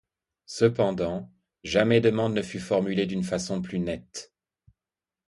Cependant, jamais demande ne fut formulée d’une façon plus nette.